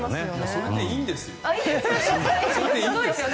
それでいいんですよ。